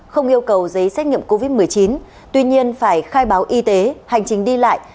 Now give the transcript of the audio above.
không yêu cầu giấy xét nghiệm covid một mươi chín tuy nhiên phải khai báo y tế hành trình đi lại